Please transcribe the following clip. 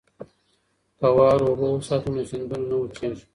که واوره اوبه وساتو نو سیندونه نه وچیږي.